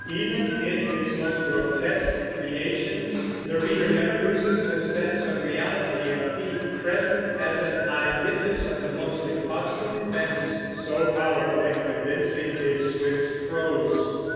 Even in his most grotesque creations, the reader never loses the sense of reality, of being present as an eyewitness of the most impossible events, so powerful and convincing is Swift's prose.